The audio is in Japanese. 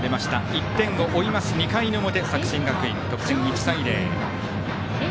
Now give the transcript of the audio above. １点を追います２回の表作新学院、得点、１対０。